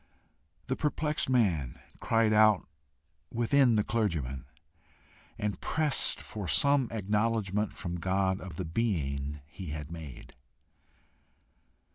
The perplexed man cried out within the clergyman, and pressed for some acknowledgment from God of the being he had made.